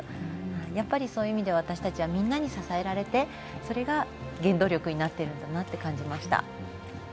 やっぱり、そういう意味では私たちはみんなに支えられてそれが、原動力になっているんだなと感じました。